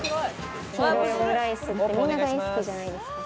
黄色いオムライスって皆、大好きじゃないですか。